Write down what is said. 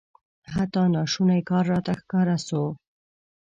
حتی ناشونی کار راته ښکاره سو.